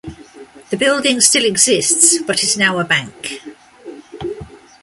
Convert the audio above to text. The building still exists but is now a bank.